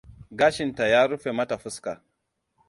Gashinta ya rufe mata fuska.